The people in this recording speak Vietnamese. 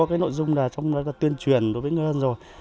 có cái nội dung là trong đó là tuyên truyền đối với nhân dân rồi